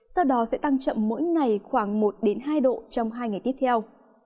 sau đó sẽ tăng chậm mỗi ngày khoảng một hai độ trong hai ngày tiếp theo